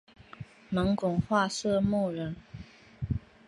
蒙古化色目人。